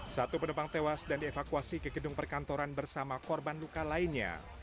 satu penumpang tewas dan dievakuasi ke gedung perkantoran bersama korban luka lainnya